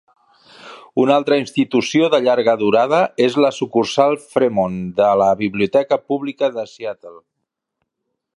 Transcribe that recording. Una altra institució de llarga durada és la sucursal Fremont de la Biblioteca Pública de Seattle.